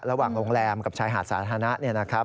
ระหว่างโรงแรมกับชายหาดสาธารณะเนี่ยนะครับ